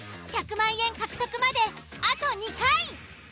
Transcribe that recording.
１００万円獲得まであと２回。